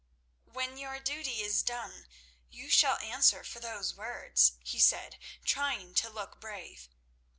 "When our duty is done you shall answer for those words," he said, trying to look brave.